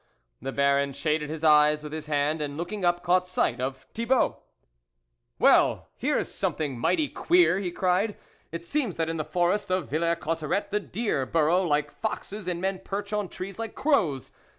The Baron shaded his eyes with his hand, and, looking up, caught sight of Thibault. " Well, here's something mighty queer !" he cried, " It seems that in the forest of Villers Cotterets the deer burrow like foxes, and men perch on trees like crows.